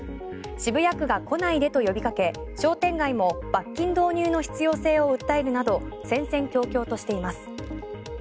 渋谷区が来ないでと呼びかけ商店街も罰金導入の必要性を訴えるなど戦々恐々としています。